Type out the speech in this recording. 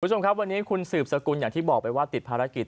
คุณผู้ชมครับวันนี้คุณสืบสกุลอย่างที่บอกไปว่าติดภารกิจ